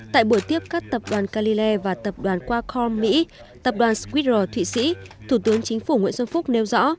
tại buổi tiếp các tập đoàn calilé và tập đoàn qualcomm mỹ tập đoàn squitter thụy sĩ thủ tướng chính phủ nguyễn xuân phúc nêu rõ